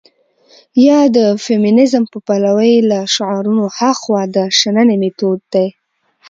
يا د فيمنيزم په پلوۍ له شعارونو هاخوا د شننې مېتود دى.